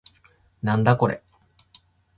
なんだこれ